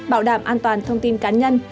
bảo đảm an toàn thông tin cá nhân